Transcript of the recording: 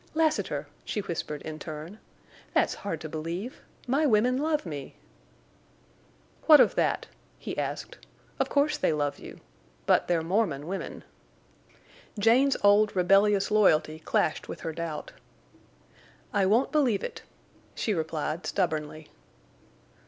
"Lassiter!" she whispered in turn. "That's hard to believe. My women love me." "What of that?" he asked. "Of course they love you. But they're Mormon women." Jane's old, rebellious loyalty clashed with her doubt. "I won't believe it," she replied, stubbornly.